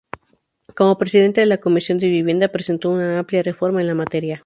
Como Presidente de la Comisión de Vivienda, presentó una amplia reforma en la materia.